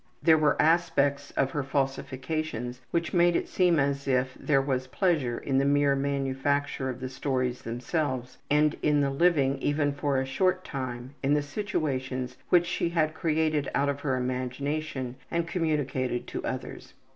There were aspects of her falsifications which made it seem as if there was pleasure in the mere manufacture of the stories themselves and in the living, even for a short time, in the situations which she had created out of her imagination and communicated to others.